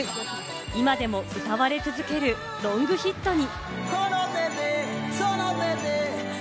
今でも歌われ続ける、ロングヒットに。